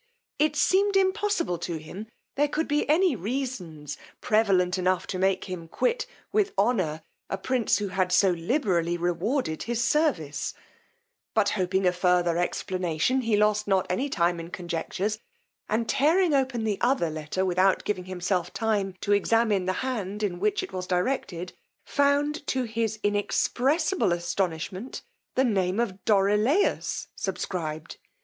It seemed impossible to him there could be any reasons prevalent enough to make him quit, with honour, a prince who had so liberally rewarded his service; but hoping a further explanation, he lost not any time in conjectures; and tearing open the other letter without giving himself time to examine the hand in which it was directed, found, to his inexpressible astonishment, the name of Dorilaus subscribed.